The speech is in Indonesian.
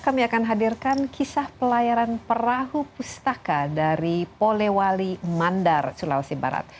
kami akan hadirkan kisah pelayaran perahu pustaka dari polewali mandar sulawesi barat